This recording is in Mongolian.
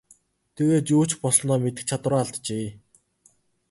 Тэгээд юу ч болсноо мэдэх чадвараа алджээ.